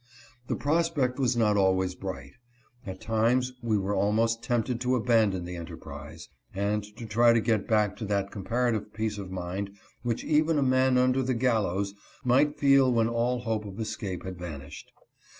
The prospect was not always bright. At times we were almost tempted to abandon the enterprise, and to try to get back to that comparative peace of mind which even a man under the gallows might feel when all hope of escape had vanished.